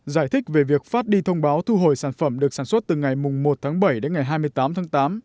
giải thích về việc phát đi thông báo thu hồi sản phẩm được sản xuất từ ngày một tháng bảy đến ngày hai mươi tám tháng tám